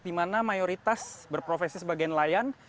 di mana mayoritas berprofesi sebagai nelayan